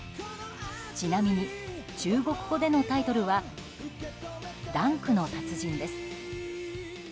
ちなみに中国語でのタイトルは「ダンクの達人」です。